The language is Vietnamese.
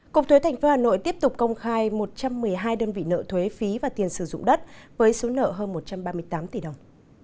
cục thuế tp hà nội tiếp tục công khai một trăm một mươi hai đơn vị nợ thuế phí và tiền sử dụng đất với số nợ hơn một trăm ba mươi tám tỷ đồng